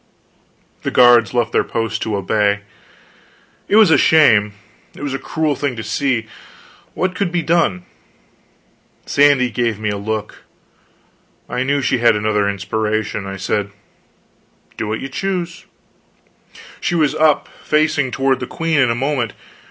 The guards left their posts to obey. It was a shame; it was a cruel thing to see. What could be done? Sandy gave me a look; I knew she had another inspiration. I said: "Do what you choose." She was up and facing toward the queen in a moment.